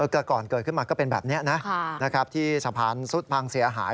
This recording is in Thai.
แต่ก่อนเกิดขึ้นมาก็เป็นแบบนี้นะที่สะพานซุดพังเสียหาย